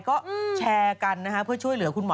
ก็แชร์กันนะฮะเพื่อช่วยเหลือคุณหมอ